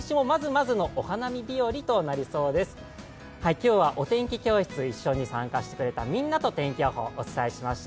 今日はお天気教室一緒に参加してくれたみんなとお伝えしました。